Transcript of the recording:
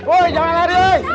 woy jangan lari woy